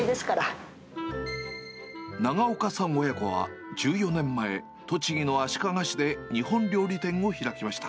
長岡さん親子は１４年前、栃木の足利市で日本料理店を開きました。